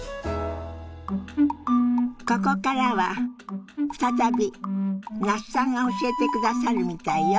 ここからは再び那須さんが教えてくださるみたいよ。